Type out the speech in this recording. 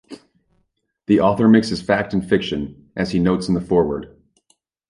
The author mixes fact and fiction, as he notes in the foreword.